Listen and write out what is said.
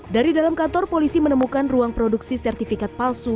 dari dalam kantor polisi menemukan ruang produksi sertifikat palsu